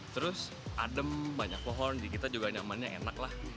terus adem banyak pohon jadi kita juga nyamannya enak lah